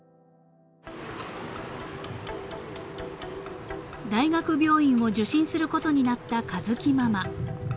［大学病院を受診することになった佳月ママ］